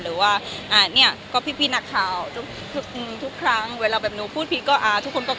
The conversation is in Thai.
นะนี่ก็พี่หนักข่าวทุกครั้งเวลาแบบหนูพูดพีชก็ทุกคนก็แก้ให้